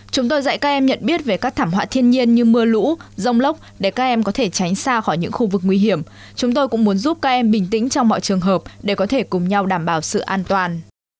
chúng tôi dạy các em nhận biết về các thảm họa thiên nhiên như mưa lũ rông lốc để các em có thể tránh xa khỏi những khu vực nguy hiểm chúng tôi cũng muốn giúp các em bình tĩnh trong mọi trường hợp để có thể cùng nhau đảm bảo sự an toàn